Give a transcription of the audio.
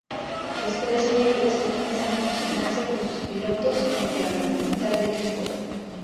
Los tres buitres comienzan a fusionarse con sus pilotos, contra la voluntad de Yuko.